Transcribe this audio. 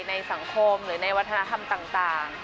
ในสังคมหรือในวัฒนธรรมต่าง